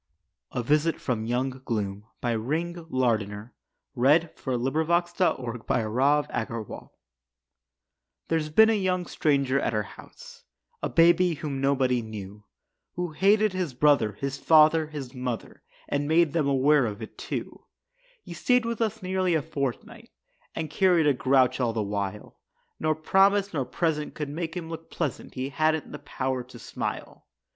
on the floor is the Reason Why. A VISIT FROM YOUNG GLOOM There's been a young stranger at our house, A baby whom nobody knew; Who hated his brother, his father, his mother, And made them aware of it, too. He stayed with us nearly a fortnight And carried a grouch all the while, Nor promise nor present could make him look pleasant; He hadn't the power to smile.